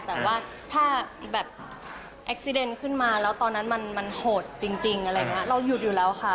แต่ว่าถ้าแบบเอ็กซีเดนขึ้นมาแล้วตอนนั้นมันโหดจริงอะไรอย่างนี้เราหยุดอยู่แล้วค่ะ